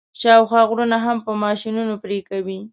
شاوخوا غرونه هم په ماشینونو پرې کوي.